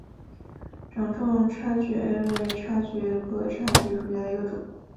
掌状叉蕨为叉蕨科叉蕨属下的一个种。